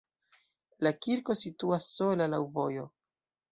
La kirko situas sola laŭ vojo.